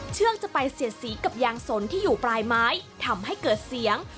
เชือกจะไปเสียดสีกับยางสนที่อยู่ปลายไม้ทำให้เกิดเสียง